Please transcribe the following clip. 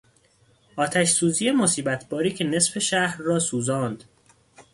آتشسوزی مصیبت باری که نصف شهر را سوزاند